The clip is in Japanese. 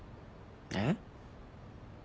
えっ？